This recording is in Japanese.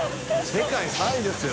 世界３位ですよ？